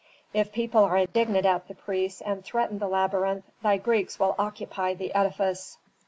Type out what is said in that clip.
If people are indignant at the priests and threaten the labyrinth, thy Greeks will occupy the edifice."